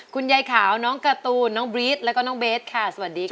คุณยายขาวน้องการ์ตูนน้องบรี๊ดแล้วก็น้องเบสค่ะสวัสดีค่ะ